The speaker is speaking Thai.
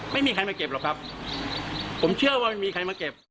ไม่มีใครมาเก็บหรอกครับผมเชื่อว่าไม่มีใครมาเก็บ